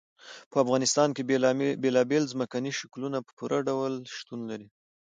په افغانستان کې بېلابېل ځمکني شکلونه په پوره ډول شتون لري.